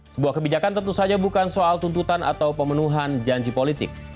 sebuah kebijakan tentu saja bukan soal tuntutan atau pemenuhan janji politik